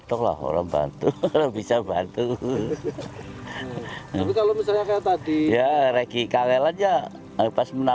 terkadang ada warga yang membantu mengambilkan kursi roda warsono